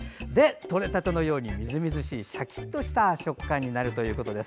とれたてのようにみずみずしくシャキッとした食感になるということです。